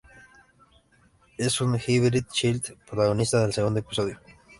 Es un Hybrid Child protagonista del segundo episodio.